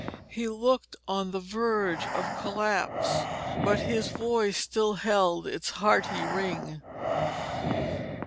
He looked on the verge of collapse, but his voice still held its hearty ring.